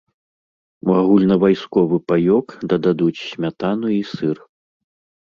У агульнавайсковы паёк дададуць смятану і сыр.